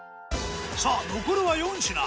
さあ残るは４品。